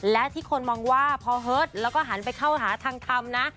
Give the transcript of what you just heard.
และที่คนมองว่าพอเฮิตแล้วก็หันไปเข้าหาทางทำนะ